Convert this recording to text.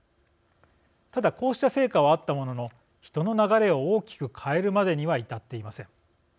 ただこうした成果はあったものの人の流れを大きく変えるまでには至っていません。